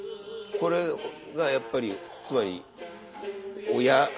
これがやっぱりつまり親なんですね。